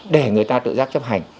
để người ta tự giác chấp hành